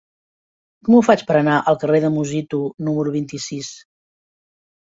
Com ho faig per anar al carrer de Musitu número vint-i-sis?